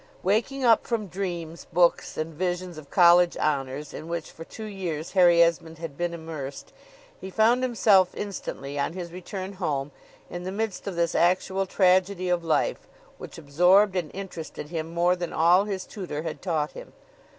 Waking up from dreams, books, and visions of college honors, in which for two years, Harry Esmond had been immersed, he found himself, instantly, on his return home, in the midst of this actual tragedy of life, which absorbed and interested him more than all his tutor had taught him.